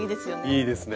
いいですね。